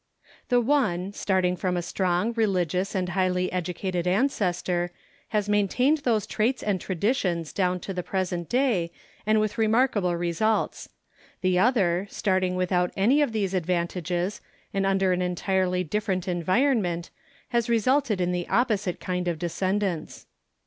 The one, starting from a strong, religious, and highly educated ancestor, has maintained those traits and traditions down to the present day and with remarkable results ; the other, starting without any of these ad vantages, and under an entirely different environment, has resulted in the opposite kind of descendants.